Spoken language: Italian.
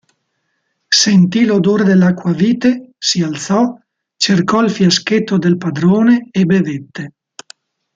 Sentì l'odore dell'acquavite, si alzò, cercò il fiaschetto del padrone e bevette.